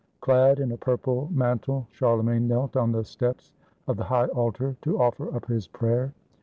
Clad in a purple man tle, Charlemagne knelt on the steps of the high altar to offer up his prayer.